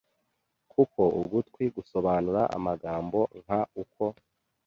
Kuko ugutwi gusobanura amagambo Nk uko